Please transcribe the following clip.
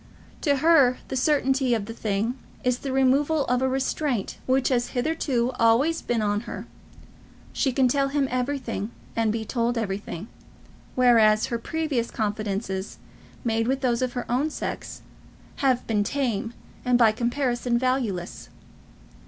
To her the certainty of the thing is the removal of a restraint which has hitherto always been on her. She can tell him everything, and be told everything, whereas her previous confidences, made with those of her own sex, have been tame, and by comparison valueless.